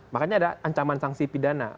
makanya ada ancaman sanksi pidana